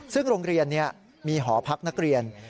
ซึ่งโรงเรียนมีหอพักนักเรียน